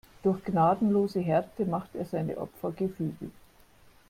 Durch gnadenlose Härte macht er seine Opfer gefügig.